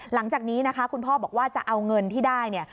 หลังจากนี้นะคะคุณพ่อบอกว่าจะเอาเงินที่ได้เนี่ย